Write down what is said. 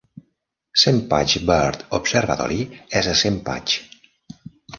Sempach Bird Observatory és a Sempach.